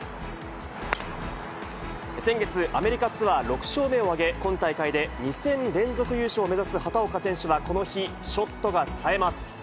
先月、アメリカツアー６勝目を挙げ、今大会で２戦連続優勝を目指す畑岡選手はこの日、ショットがさえます。